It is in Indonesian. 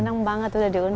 senang banget udah diundang